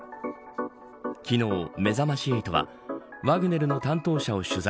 昨日めざまし８はワグネルの担当者を取材。